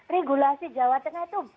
regulasi jawa tengah itu